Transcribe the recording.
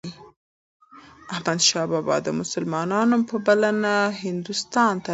احمدشاه بابا د مسلمانانو په بلنه هندوستان ته لاړ.